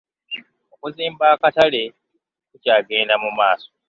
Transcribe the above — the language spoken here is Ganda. Okuzimba akatale kukyagenda mu maaso.